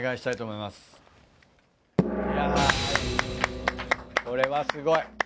いやこれはすごい。